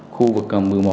khu vực một mươi một